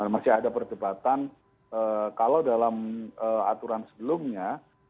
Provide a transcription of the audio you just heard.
masih ada perdebatan kalau dalam aturan sebelumnya